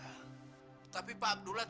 tapi pak abdullah tidak pernah menjelaskan